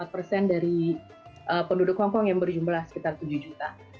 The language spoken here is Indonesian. lima persen dari penduduk hongkong yang berjumlah sekitar tujuh juta